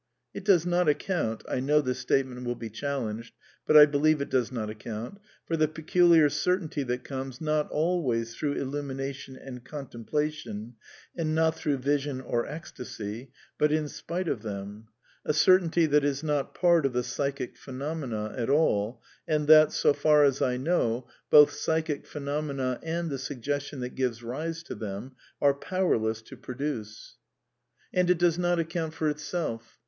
It does not account — I know this statement will be challenged, but I believe it does not ac count — for the peculiar certainty that comes, not always through illumination and contemplation, and not through vision or ecstasy, but in spite of them ; a certainty that is not part of the psychic phenomena at all, and that, so far as I know, both psychic phenomena and the suggestion that gives rise to them are powerless to produce. \ 268 A DEFENCE OF IDEALISM And it does not account for itself.